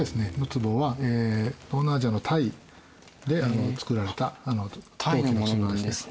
つぼは東南アジアのタイで作られた陶器のつぼです。